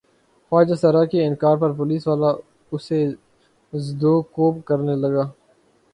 خواجہ سرا کے انکار پہ پولیس والا اسے زدوکوب کرنے لگا۔